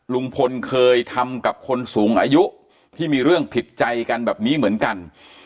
ลุงพลเคยทำกับคนสูงอายุที่มีเรื่องผิดใจกันแบบนี้เหมือนกัน